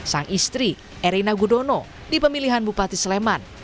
sang istri erina gudono di pemilihan bupati sleman